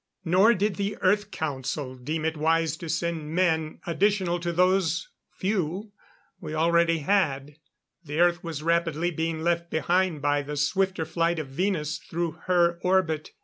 Nor did the Earth Council deem it wise to send men additional to those few we already had. The Earth was rapidly being left behind by the swifter flight of Venus through her orbit.